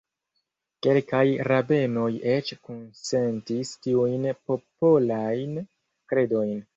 Kelkaj rabenoj eĉ kusentis tiujn popolajn kredojn.